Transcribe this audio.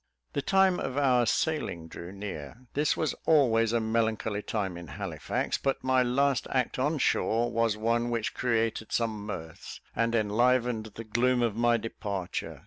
The time of our sailing drew near. This was always a melancholy time in Halifax; but my last act on shore was one which created some mirth, and enlivened the gloom of my departure.